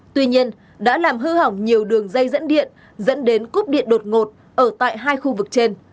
tuy nhiên đã làm hư hỏng nhiều đường dây dẫn điện dẫn đến cúp điện đột ngột ở tại hai khu vực trên